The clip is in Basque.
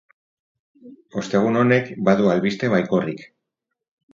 Ostegun honek badu albiste baikorrik.